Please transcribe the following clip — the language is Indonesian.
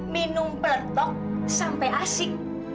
minum peletok sampai asik